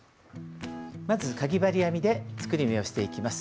まずかぎ針編みで作り目をしていきます。